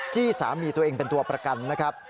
จี้สามีตัวเองเป็นตัวประกันนะครับ